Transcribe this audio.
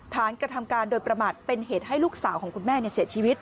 กระทำการโดยประมาทเป็นเหตุให้ลูกสาวของคุณแม่เสียชีวิต